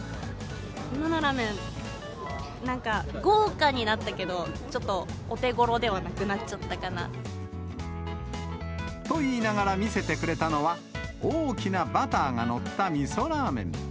今のラーメン、なんか豪華になったけど、ちょっとお手ごろではなくなっちゃったかな。と言いながら、見せてくれたのは、大きなバターが載ったみそラーメン。